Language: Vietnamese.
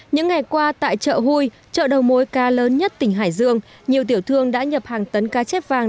những ngày qua tại chợ huy chợ đầu mối ca lớn nhất tỉnh hải dương nhiều tiểu thương đã nhập hàng tấn cá chép vàng